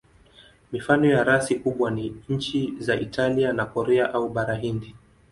Mifano ya rasi kubwa ni nchi za Italia na Korea au Bara Hindi.